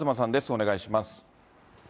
お願いします。